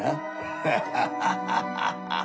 ハハハハハハハ。